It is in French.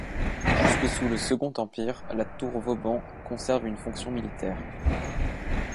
Jusque sous le Second Empire, la tour Vauban conserve une fonction militaire.